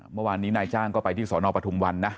เมื่อวานนี้นายจ้างก็ไปที่สนปทุมวันนะ